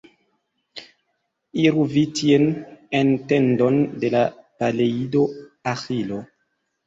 Iru vi tien, en tendon de la Peleido Aĥilo.